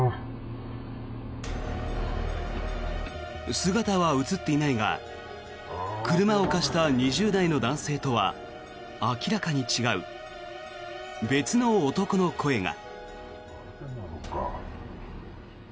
姿は映っていないが車を貸した２０代の男性とは明らかに違う別の男の声が。